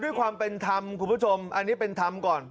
ความเป็นธรรมคุณผู้ชมอันนี้เป็นธรรมก่อน